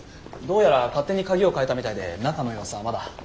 どうやら勝手に鍵を替えたみたいで中の様子はまだ。